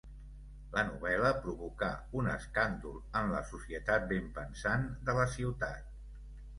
La novel·la provocà un escàndol en la societat benpensant de la ciutat.